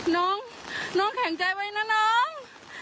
น้องน้องแข็งใจไว้นะน้อง